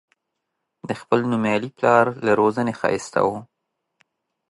د خپل نومیالي پلار له روزنې ښایسته و.